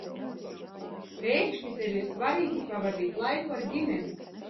Pēkšņi tev ir svarīgi pavadīt laiku ar ģimeni?